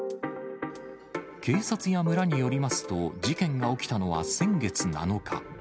警察や村によりますと、事件が起きたのは先月７日。